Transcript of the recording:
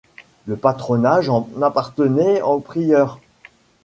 Le patronage en appartenait au prieur.